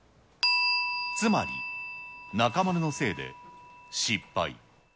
つまり、中丸のせいで失敗。